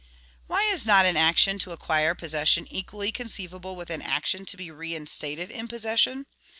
Why is not an action to acquire possession equally conceivable with an action to be reinstated in possession?